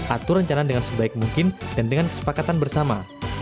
atur rencana dengan sebaik mungkin dan dengan kesepakatan bersama